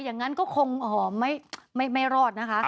อย่างนั้นก็คงหอมไม่รอดนะคะ